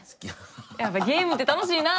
やっぱゲームって楽しいなあ！